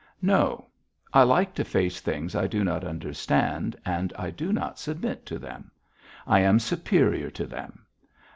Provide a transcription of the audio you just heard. "No. I like to face things I do not understand and I do not submit to them. I am superior to them.